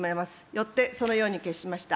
よって、そのように決しました。